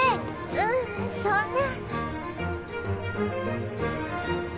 ううんそんな。